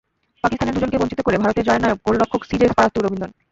পাকিস্তানের দুজনকে বঞ্চিত করে ভারতের জয়ের নায়ক গোলরক্ষক শ্রীজেশ পারাত্তু রবীন্দ্রন।